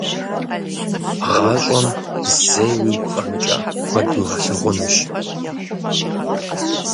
Гъащӏэм зэи уигу къэмыкӏа куэд уигъэлъагъунущ.